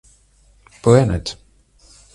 Planet.